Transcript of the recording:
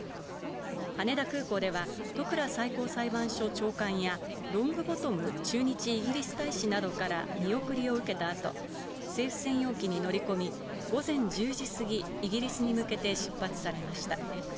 羽田空港では、戸倉最高裁判所長官や、ロングボトム駐日イギリス大使などから見送りを受けたあと、政府専用機に乗り込み、午前１０時過ぎ、イギリスに向けて出発されました。